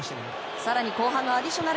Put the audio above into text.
更に後半のアディショナル